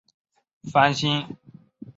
翻新后以白色及灰色为主调。